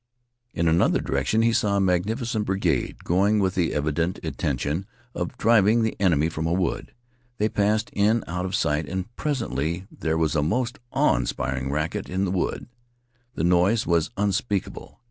In another direction he saw a magnificent brigade going with the evident intention of driving the enemy from a wood. They passed in out of sight and presently there was a most awe inspiring racket in the wood. The noise was unspeakable.